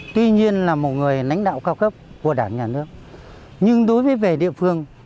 tuy nhiên là một người lãnh đạo cao cấp của đảng nhà nước nhưng đối với về địa phương